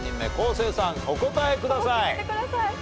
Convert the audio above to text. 生さんお答えください。